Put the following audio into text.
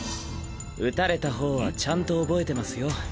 打たれたほうはちゃんと覚えてますよ。